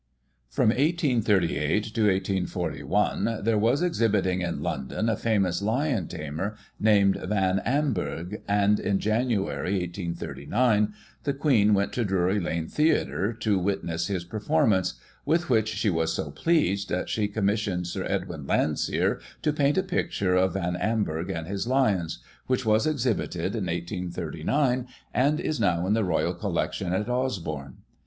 From 1838 to 1841, there was exhibiting in London a famous lion tamer named Van Amburgh, and, in January, 1839, ^he Queen went to Drury Lane Theatre to witness his performance, with which she was so pleased, that she com missioned Sir Edwin Landseer to paint a picture of Van Amburgh and his lions, which was exhibited in 1839, and is now in the Royal Collection at Osborne.